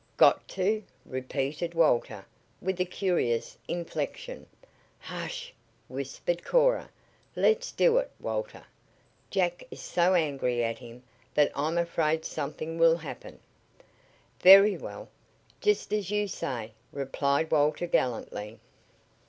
"Got to?" repeated Walter, with a curious inflection. "Hush!" whispered Cora. "Let's do it, Walter. Jack is so angry at him that I'm afraid something will happen." "Very well. Just as you say," replied Walter gallantly.